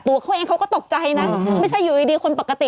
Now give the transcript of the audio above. ตัวเขาเองเขาก็ตกใจนะหืระวังไม่ใช่อยู่ดีคนปกติ